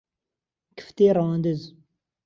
کفتەی ڕەواندز